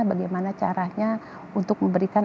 bagaimana caranya untuk memberikan